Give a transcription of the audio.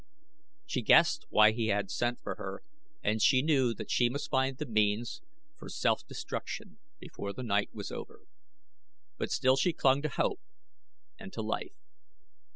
She guessed why he had sent for her and she knew that she must find the means for self destruction before the night was over; but still she clung to hope and to life.